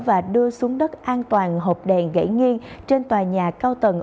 và đưa xuống đất an toàn hộp đèn gãy nghiêng trên tòa nhà cao tầng